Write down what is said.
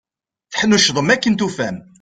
Teḥnuccḍem akken tufam.